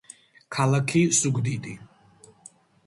ქალაქი ზუგდიდი